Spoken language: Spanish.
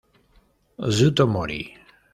Yuto Mori